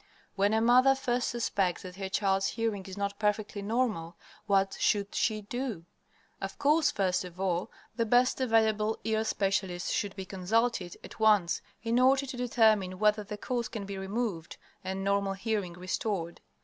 When a mother first suspects that her child's hearing is not perfectly normal, what should she do? Of course, first of all, the best available ear specialist should be consulted at once in order to determine whether the cause can be removed and normal hearing restored.